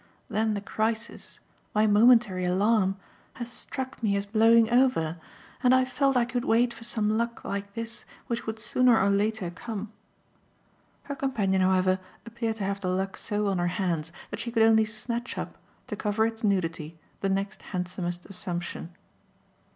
Then the crisis, my momentary alarm, has struck me as blowing over, and I've felt I could wait for some luck like this, which would sooner or later come." Her companion, however, appeared to leave the luck so on her hands that she could only snatch up, to cover its nudity, the next handsomest assumption.